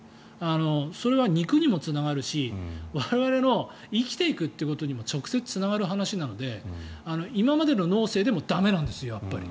それは肉にもつながるし我々の生きていくということにも直接、つながる話なので今までの農政でも駄目なんです。